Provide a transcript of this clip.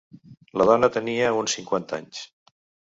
La dona tenia uns cinquanta anys.